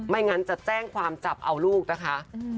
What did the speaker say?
งั้นจะแจ้งความจับเอาลูกนะคะ